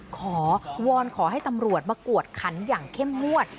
ขอวอนขอให้ตำรวจมากวดขันอย่างเข้มงวด